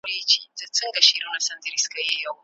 موږ نسو کولای چي د جګړي ناوړه اغېزي هېرې کړو.